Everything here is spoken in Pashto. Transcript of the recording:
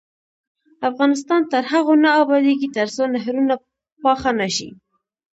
افغانستان تر هغو نه ابادیږي، ترڅو نهرونه پاخه نشي.